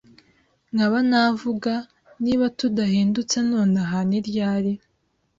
Nkaba navuga,, niba tudahindutse nonaha ...ni Ryari?